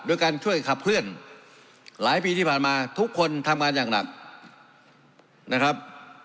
การช่วยขับเคลื่อนหลายปีที่ผ่านมาทุกคนทำงานอย่างหนักนะครับ